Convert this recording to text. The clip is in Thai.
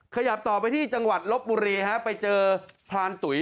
ขยับต่อไปที่จังหวัดลบบุรีฮะไปเจอพรานตุ๋ย